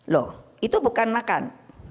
loh itu bukan makan